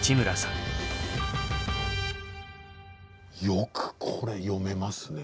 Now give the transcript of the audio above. よくこれ読めますね。